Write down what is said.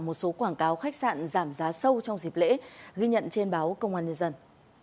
một số quảng cáo khách sạn giảm giá sâu trong dịp lễ ghi nhận trên báo công an nhân dân